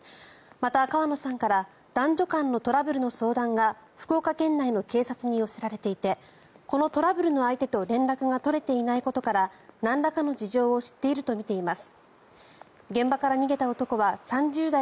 また、川野さんから男女間のトラブルの相談が福岡県内の警察に寄せられていてこのトラブルの相手と連絡が取れていないことからなんらかの事情を知っているとみています。